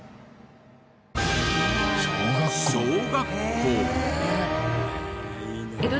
小学校。